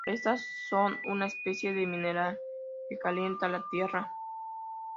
Estas son una especie de mineral que calienta la tierra.